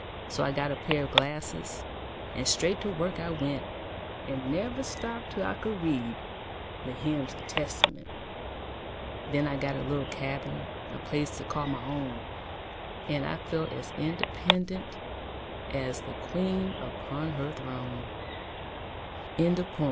So I got a pair of glasses, And straight to work I went, And never stopped till I could read The hymns and Testament. Then I got a little cabin A place to call my own And I felt as independent As the queen upon her throne. Frances E.